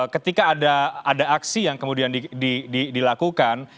ketika ada aksi yang kemudian dilakukan